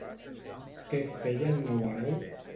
Què feia el nou hereu?